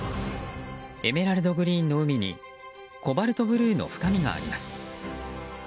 エメラルドグリーンの海にコバルトブルーの深みがあります。